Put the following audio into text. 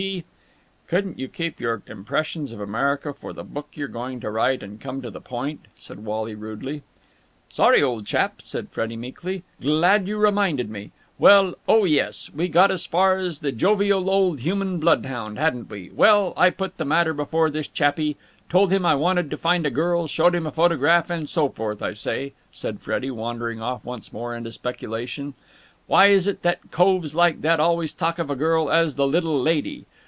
He...." "Couldn't you keep your Impressions of America for the book you're going to write, and come to the point?" said Wally rudely. "Sorry, old chap," said Freddie meekly. "Glad you reminded me. Well.... Oh, yes. We had got as far as the jovial old human bloodhound, hadn't we? Well, I put the matter before this chappie. Told him I wanted to find a girl, showed him a photograph, and so forth. I say," said Freddie, wandering off once more into speculation, "why is it that coves like that always talk of a girl as 'the little lady'?